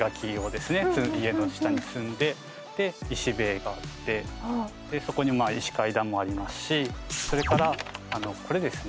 家の下に積んでで石塀があってでそこに石階段もありますしそれからこれですね